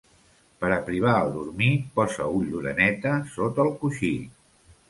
Per a privar el dormir posa ull d'oreneta sota el coixí.